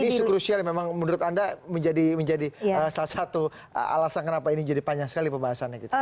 ini isu krusial yang memang menurut anda menjadi salah satu alasan kenapa ini jadi panjang sekali pembahasannya gitu